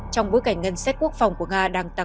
trong bối cảnh ngân xét quốc phòng của nga